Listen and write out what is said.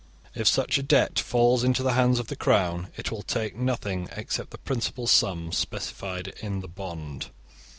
If such a debt falls into the hands of the Crown, it will take nothing except the principal sum specified in the bond.